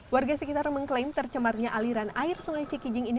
warga sekitar mengklaim tercemarnya aliran air sungai cikijing ini